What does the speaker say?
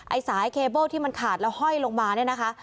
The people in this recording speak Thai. สายเคเบิ้ลที่มันขาดแล้วห้อยลงมาเนี่ยนะคะ